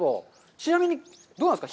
ちなみに、どうなんですか。